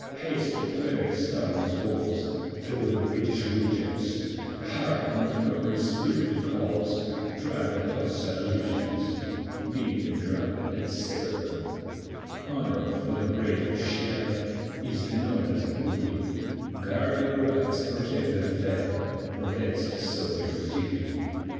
Haste to Quebec's towering walls, Through the British regions; Hark! Montgomery's spirit calls, Drive the hostile legions. Beat the drum, etc. Honor for the brave to share Is the noblest booty; Guard your rights, protect the fair, For that's a soldier's duty.